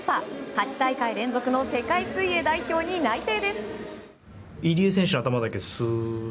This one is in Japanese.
８大会連続の世界水泳代表に内定です。